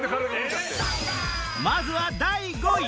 まずは第５位！